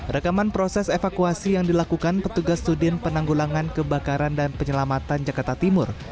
rekaman proses evakuasi yang dilakukan petugas sudin penanggulangan kebakaran dan penyelamatan jakarta timur